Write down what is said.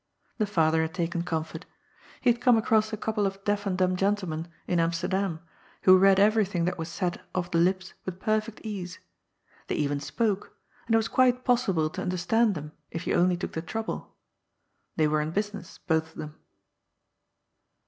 The father had taken comfort. He had come across a couple of deaf and dumb gentlemen in Amsterdam who read everything that was said off the lips with perfect ease. They even spoke, and it was quite possible to understand them if you only took the trouble. They were in business, both of them.